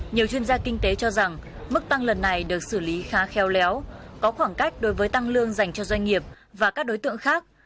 nhiều chuyên gia kinh tế cho rằng mức tăng lần này được xử lý khá khéo léo có khoảng cách đối với tăng lương dành cho doanh nghiệp và các đối tượng khác